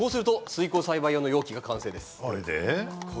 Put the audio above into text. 水耕栽培用の容器が完成です。